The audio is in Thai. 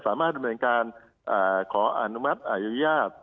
สามารถเป็นเหมือนการขออนุมัติอายุญาต